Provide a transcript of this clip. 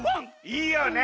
いいよね。